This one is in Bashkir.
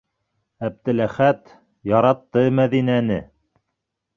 Әптеләхәт яратты Мәҙинәне!